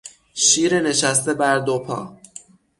شیر نشسته بر دو پا